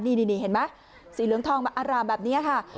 นี่เห็นไหมสีเหลืองทองมาอารามแบบนี้ค่ะ